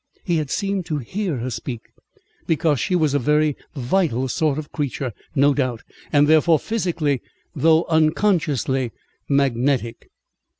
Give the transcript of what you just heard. He had seemed to hear her speak, because she was a very vital sort of creature, no doubt, and therefore physically, though unconsciously, magnetic.